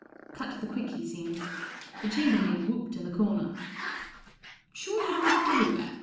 Cut to the quick he seemed. The chambermaid whooped in the corner. Sure you've looked everywhere